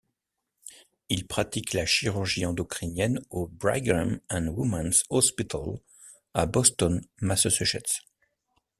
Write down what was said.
Il pratique la chirurgie endocrinienne au Brigham and women's Hospital à Boston, Massachusetts.